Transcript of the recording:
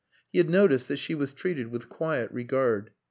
He had noticed that she was treated with quiet regard.